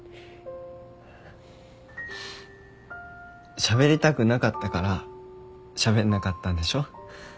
しゃべりたくなかったからしゃべんなかったんでしょ？